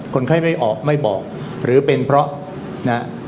คนไข้ไม่ออกไม่บอกหรือเป็นเพราะนะ